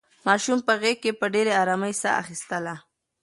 ماشوم په غېږ کې په ډېرې ارامۍ ساه اخیستله.